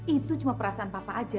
itu cuma perasaan bapak saja